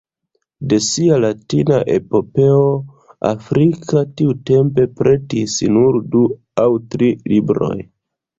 De sia Latina epopeo Africa tiutempe pretis nur du aŭ tri libroj.